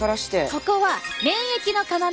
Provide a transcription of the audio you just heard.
ここは免疫の要。